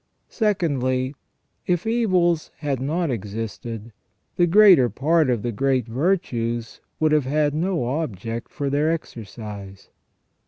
Secondly, if evils had not existed, the greater part of the great virtues would have had no object for their exercise.